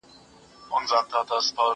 هغه څوک چي لرګي راوړي مرسته کوي!.